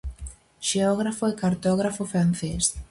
Xeógrafo e cartógrafo francés.